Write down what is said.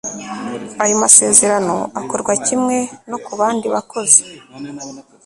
ayo masezerano akorwa kimwe no ku bandi bakozi